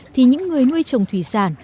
thì những người nuôi trồng thủy sản